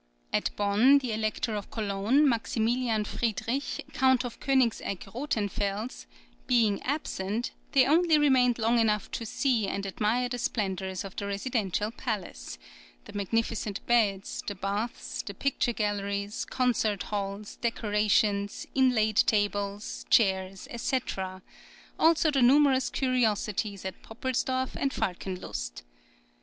At Bonn, the Elector of Cologne, Maximilian Freidrich (Count of Konigseck Rothenfels), being absent, they only remained long enough to see and admire the splendours of the residential palace; the magnificent beds, the baths, the picture galleries, concert halls, decorations, inlaid tables, chairs, &c. also the numerous curiosities at Poppelsdorf and Falkenlust.